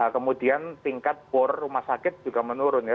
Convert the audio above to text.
kemudian tingkat bor rumah sakit juga menurun ya